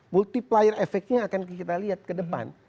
multiplier efeknya akan kita lihat ke depan